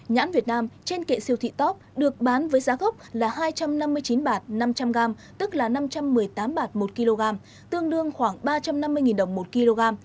nhãn việt nam trên kệ siêu thị top được bán với giá gốc là hai trăm năm mươi chín bạt năm trăm linh gram tức là năm trăm một mươi tám bạt một kg tương đương khoảng ba trăm năm mươi đồng một kg